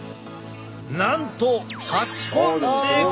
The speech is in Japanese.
なんと８本成功！